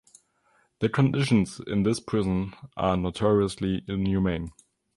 The conditions in this prison are notoriously inhumane.